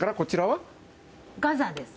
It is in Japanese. ガザです。